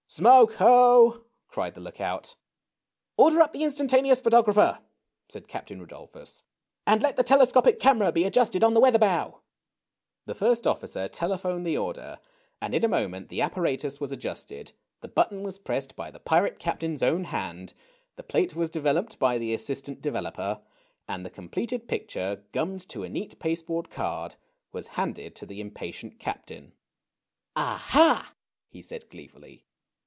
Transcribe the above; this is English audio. " Smoke ho !" cried the lookout. " Order up the Instantaneous Photographer !" said Captain Rudolphus ;" and let the telescopic camera be adjusted on the weather bow !" The first officer telephoned the order, and in a moment the apparatus was adjusted, the button was pressed by the pirate captain's own hand, the plate was developed by the Assistant Developer, and the completed picture, gummed to a neat pasteboard card, was handed to the impatient captain. " Aha !" he said gleefully.